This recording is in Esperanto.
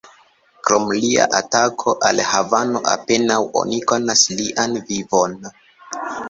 Krom lia atako al Havano, apenaŭ oni konas lian vivon.